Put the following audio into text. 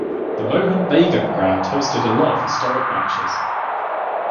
The Mohun Bagan Ground hosted a lot of historic matches.